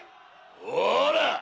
ほら。